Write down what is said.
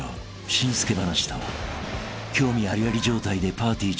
紳助話と興味ありあり状態でぱーてぃー